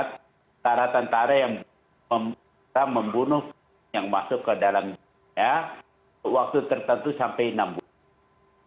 tentara tentara yang membunuh yang masuk ke dalam waktu tertentu sampai enam bulan